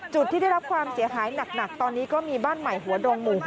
จุดที่ได้รับความเสียหายหนักตอนนี้ก็มีบ้านใหม่หัวดงหมู่๖